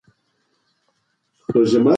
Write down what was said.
ماغزه د ژوند په اوږدو کې پنځه جلا پړاوونه تېروي.